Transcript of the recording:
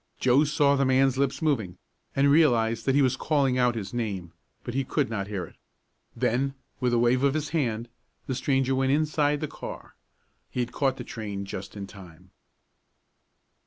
Joe saw the man's lips moving, and realized that he was calling out his name, but he could not hear it. Then, with a wave of his hand the stranger went inside the car. He had caught the train just in time.